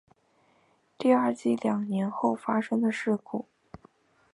第二季两年后发生的故事。